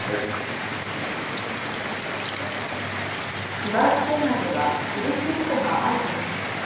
茨城県内ではスリップ事故が相次ぎました。